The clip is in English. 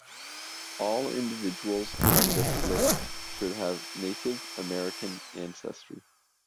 All individuals on this list should have Native American ancestry.